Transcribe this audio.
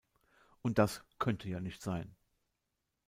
Und das könne ja nicht sein“.